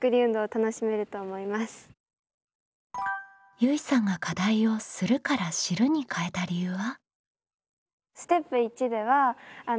ゆいさんが課題を「する」から「知る」に変えた理由は？